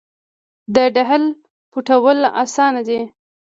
د ډهل پټول اسانه دي .